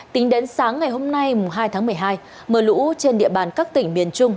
tính đến sáng ngày hôm nay hai tháng một mươi hai mưa lũ trên địa bàn các tỉnh miền trung